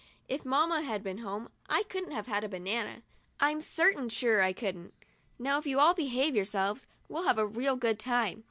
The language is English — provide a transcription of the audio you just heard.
If mamma had been home, I couldn't have had a banana; I'm certain sure I couldn't. Now if you all behave yourselves, we'll have a real good time.